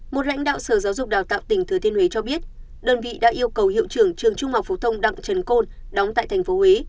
một lãnh đạo sở giáo dục đào tạo tỉnh thừa thiên huế cho biết đơn vị đã yêu cầu hiệu trưởng trường trung học phổ thông đặng trần côn đóng tại tp huế